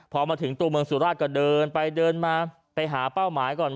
พอมาถึงตัวเมืองสุราชก็เดินไปเดินมาไปหาเป้าหมายก่อน